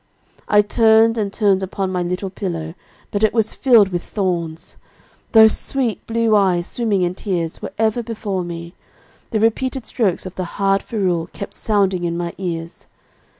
"I turned and turned upon my little pillow, but it was filled with thorns. Those sweet blue eyes, swimming in tears, were ever before me; the repeated strokes of the hard ferule kept sounding in my ears.